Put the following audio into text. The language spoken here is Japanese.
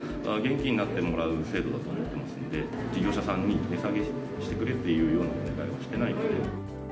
事業者さんが元気になってもらう制度だと思ってますんで、事業者さんに値下げしてくれっていうようなお願いをしてないので。